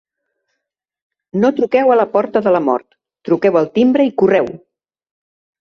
No truqueu a la porta de la mort, truqueu al timbre i correu.